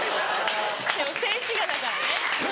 でも静止画だからね。